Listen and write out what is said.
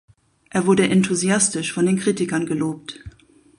Er wurde enthusiastisch von den Kritikern gelobt.